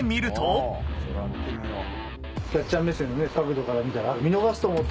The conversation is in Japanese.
キャッチャー目線の角度から見たら。